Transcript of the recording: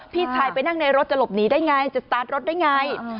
พี่ชายไปนั่งในรถจะหลบหนีได้ไงจะสตาร์ทรถได้ไง